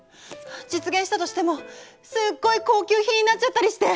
実現したとしてもすっごい高級品になっちゃったりして！